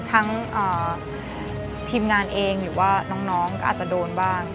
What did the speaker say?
ทั้งทีมงานเองหรือว่าน้องก็อาจจะโดนบ้าง